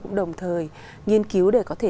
cũng đồng thời nghiên cứu để có thể